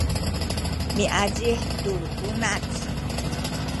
miazih tu bunac